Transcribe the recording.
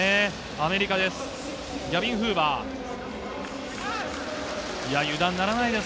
アメリカです。